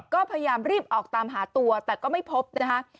ก็พยายามรีบออกตามหาตัวแต่ก็ไม่พบนะคะ